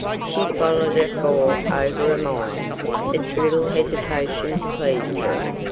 She followed it for over a mile. Its little hesitations pleased her.